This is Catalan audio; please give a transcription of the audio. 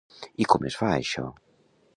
I com es fa això?